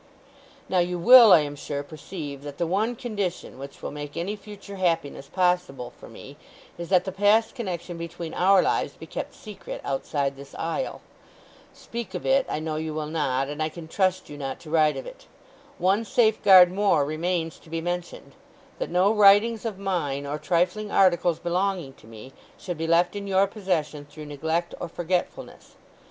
"Now you will, I am sure, perceive that the one condition which will make any future happiness possible for me is that the past connection between our lives be kept secret outside this isle. Speak of it I know you will not; and I can trust you not to write of it. One safe guard more remains to be mentioned—that no writings of mine, or trifling articles belonging to me, should be left in your possession through neglect or forgetfulness.